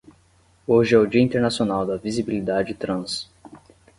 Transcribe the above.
Hoje é o Dia Internacional da Visibilidade Trans